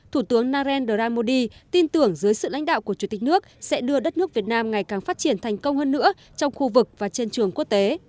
thủ tướng narendra modi tin tưởng dưới sự lãnh đạo của chủ tịch nước sẽ đưa đất nước việt nam ngày càng phát triển thành công hơn nữa trong khu vực và trên trường quốc tế